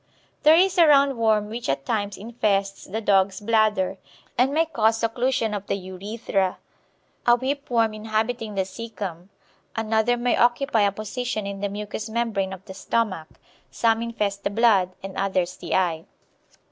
There is a round worm which at times infests the dog's bladder, and may cause occlusion of the urethra; a whip worm inhabiting the caecum; another may occupy a position in the mucous membrane of the stomach; some infest the blood, and others the eye.